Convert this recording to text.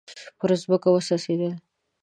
پر مځکه وڅڅیدل